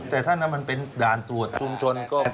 แต่ถ้านั้นมันเป็นด่านตรวจชุมชนก็